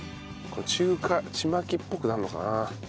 これ中華ちまきっぽくなるのかな？